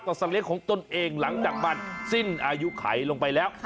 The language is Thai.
สัตเลี้ยงของตนเองหลังจากมันสิ้นอายุไขลงไปแล้ว